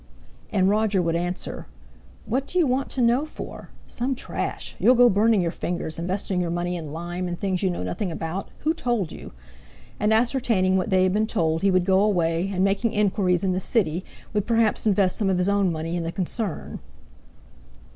And Roger would answer: "What do you want to know for? Some trash! You'll go burning your fingers—investing your money in lime, and things you know nothing about! Who told you?" and ascertaining what they had been told, he would go away, and, making inquiries in the City, would perhaps invest some of his own money in the concern.